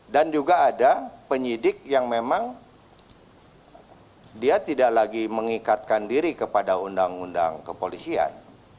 dan juga ada penyidik yang memang dia tidak lagi mengikatkan diri kepada undang undang kepolisian